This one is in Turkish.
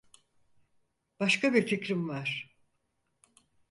Başka bir fikrim var.